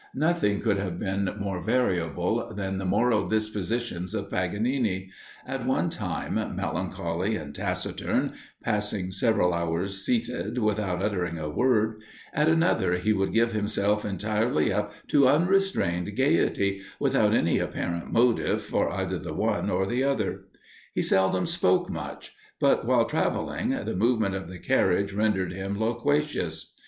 Nothing could be more variable than the moral dispositions of Paganini; at one time melancholy and taciturn, passing several hours seated, without uttering a word; at another, he would give himself entirely up to unrestrained gaiety, without any apparent motive for either the one or the other. He seldom spoke much; but while travelling, the movement of the carriage rendered him loquacious.